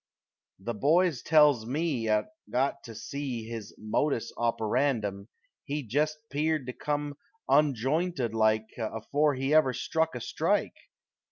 The boys tells me, 'at got to see His modus operandum, he Jest 'peared to come onjointed like Afore he ever struck a strike!